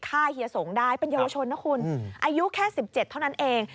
เฮียสงได้เป็นเยาวชนนะคุณอายุแค่๑๗เท่านั้นเอง